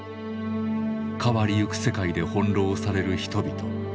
変わりゆく世界で翻弄される人々。